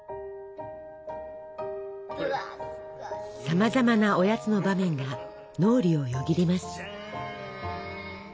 さまざまなおやつの場面が脳裏をよぎります。